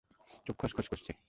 চোখ খচখচ করছে।